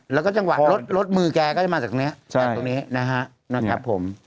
แล้วก็จะไหวลดลดมือกกินอาหารตัวนี้นะฮะครับผม